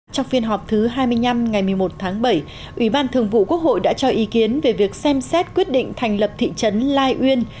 trong phiên họp thứ hai mươi năm ngày một mươi một tháng bảy ủy ban thường vụ quốc hội đã cho ý kiến về việc xem xét quyết định thành lập thị trấn lai uyên